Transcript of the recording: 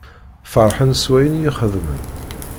Ferḥen s wayen iyi-xedmen.